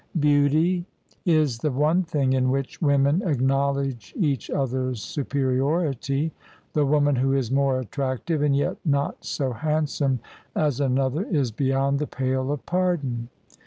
Beauty { THE SUBJECTION IS the one thing in which women acknowledge each other's superiority: the woman who is more attractive and yet not so handsome as another is beyond the pale of pardon.